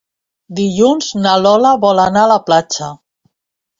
Dilluns na Lola vol anar a la platja.